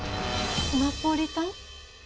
ナポリタン？